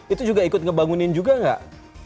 itu juga ikut ngebangunin juga nggak